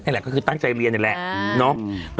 นั่นแหละก็คือตั้งใจเลียนอย่างนั้นแหละ